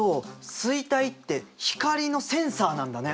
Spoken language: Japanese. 錐体って光のセンサーなんだね。